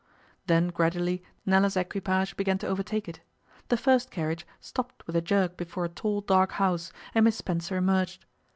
Then gradually Nella's equipage began to overtake it. The first carriage stopped with a jerk before a tall dark house, and Miss Spencer emerged.